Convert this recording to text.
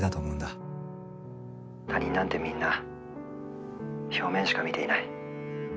「他人なんてみんな表面しか見ていない」